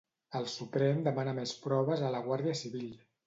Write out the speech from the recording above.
El Suprem demana més proves a la Guàrdia Civil.